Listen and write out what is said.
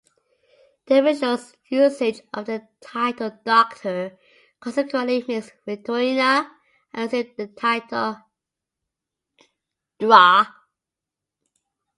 Tiburcio's usage of the title "Doctor" consequently makes Victorina assume the title "Dra.